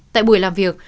tại buổi làm việc